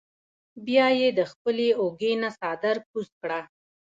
بیا ئې د خپلې اوږې نه څادر کوز کړۀ ـ